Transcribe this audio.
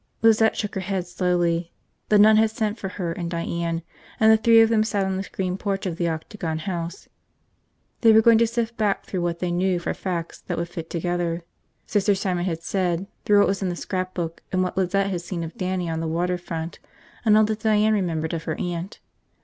Lizette shook her head slowly. The nun had sent for her and Diane, and the three of them sat on the screened porch of the Octagon House. They were going to sift back through what they knew for facts that would fit together, Sister Simon had said, through what was in the scrapbook and what Lizette had seen of Dannie on the water front and all that Diane remembered of her aunt.